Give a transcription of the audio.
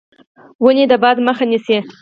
ونې د باد مخه نیسي.